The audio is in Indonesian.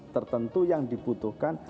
tertentu yang dibutuhkan